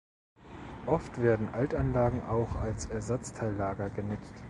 Oft werden Altanlagen auch als Ersatzteillager genutzt.